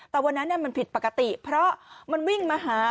แต่วันนั้นมันผิดปกติเพราะมันวิ่งมาหา